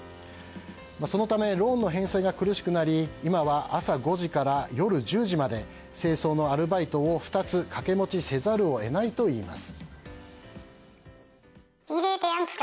そのためローンの返済が苦しくなり今は朝５時から夜１０時まで清掃のアルバイトを２つ掛け持ちせざるを得ないといいます。